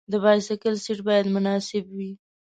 د بایسکل سیټ باید مناسب وي.